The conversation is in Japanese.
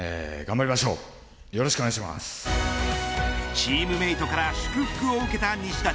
チームメートから祝福を受けた西舘。